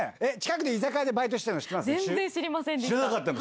全然知りませんでした。